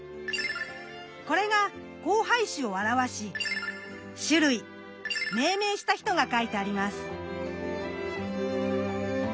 これが交配種を表し種類命名した人が書いてあります。